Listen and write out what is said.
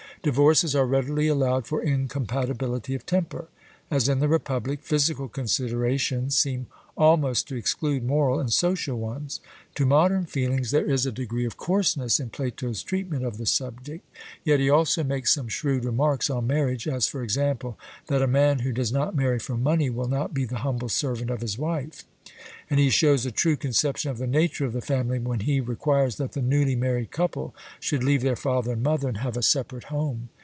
Divorces are readily allowed for incompatibility of temper. As in the Republic, physical considerations seem almost to exclude moral and social ones. To modern feelings there is a degree of coarseness in Plato's treatment of the subject. Yet he also makes some shrewd remarks on marriage, as for example, that a man who does not marry for money will not be the humble servant of his wife. And he shows a true conception of the nature of the family, when he requires that the newly married couple 'should leave their father and mother,' and have a separate home.